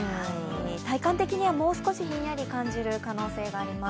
体感的にはもう少しひんやり感じる可能性があります。